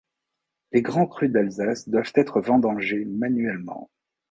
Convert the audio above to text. Les grands crus d'Alsace doivent être vendangés manuellement.